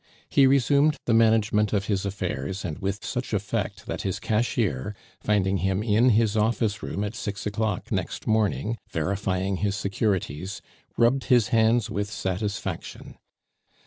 He resumed the management of his affairs, and with such effect that his cashier, finding him in his office room at six o'clock next morning, verifying his securities, rubbed his hands with satisfaction.